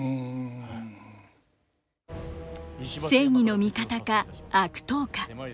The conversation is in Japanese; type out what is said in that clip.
正義の味方か悪党か。